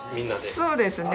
そうですね